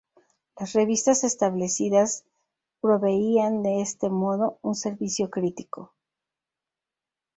Las revistas establecidas proveían, de este modo, un "servicio crítico".